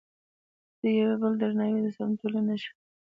د یو بل درناوی د سالمې ټولنې نښه ده.